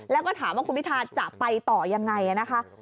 แล้วก็ถามว่าคุณพิทาจะไปต่อยังไงนะคะ